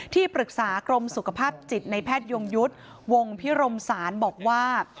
ที่ปรึกษากรมสุขภาพจิตในแพทยงยุทธ์วงพิรมศาลบอกว่า